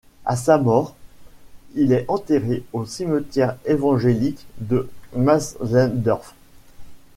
À sa mort, il est enterré au cimetière évangélique de Matzleinsdorf.